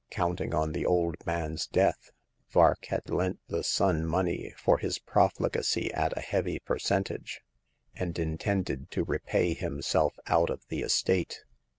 Counting on the old man's death, Vark had lent the son money for his profligacy at a heavy percentage, and intended to repay him self out of the estate.